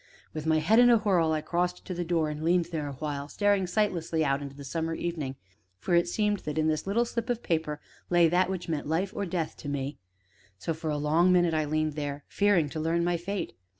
With my head in a whirl, I crossed to the door, and leaned there awhile, staring sightlessly out into the summer evening; for it seemed that in this little slip of paper lay that which meant life or death to me; so, for a long minute I leaned there, fearing to learn my fate.